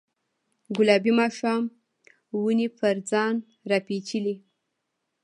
ګلابي ماښام ونې پر ځان راپیچلې